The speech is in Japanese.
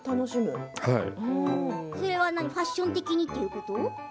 それはファッション的にいうこと？